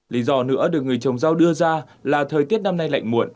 lý do nữa được người trồng rau đưa ra là thời tiết năm nay lạnh muộn